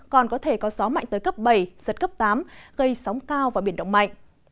còn có thể có gió mạnh tới cấp bảy giật cấp tám gây sóng cao và biển động mạnh